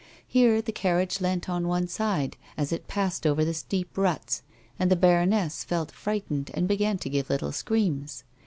Here the carriage leant on one side as it passed over the deep ruts, and the baroness felt frightened and began to give little screams.